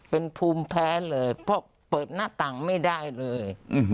เป็นภูมิแพ้เลยเพราะเปิดหน้าต่างไม่ได้เลย